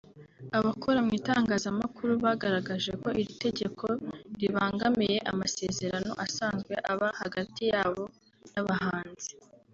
Abakora mu itangazamakuru bagaragaje ko iri tegeko ribangamiye amasezerano asanzwe aba hagati yabo n’abahanzi